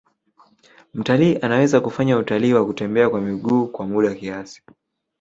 Mtalii anaweza kufanya utalii wa kutembea kwa miguu kwa muda kiasi